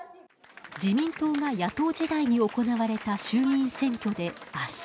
自民党が野党時代に行われた衆議院選挙で圧勝。